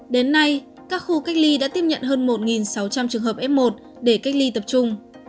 đến nay các khu cách ly đã tiếp nhận hơn một sáu trăm linh trường hợp f một để cách ly tập trung